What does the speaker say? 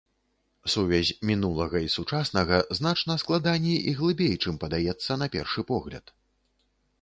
Сувязь мінулага і сучаснага значна складаней і глыбей, чым падаецца на першы погляд.